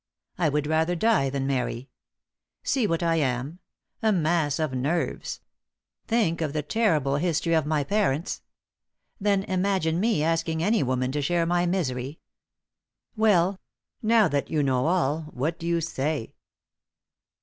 I would rather die than marry. See what I am a mass of nerves; think of the terrible history of my parents. Then imagine me asking any woman to share my misery! Well, now that you know all, what do you say?"